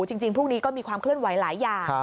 จริงพรุ่งนี้ก็มีความเคลื่อนไหวหลายอย่าง